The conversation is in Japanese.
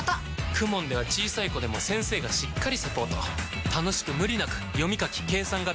ＫＵＭＯＮ では小さい子でも先生がしっかりサポート楽しく無理なく読み書き計算が身につきます！